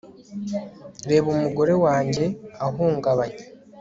Reka umugore wanjye ahungabanye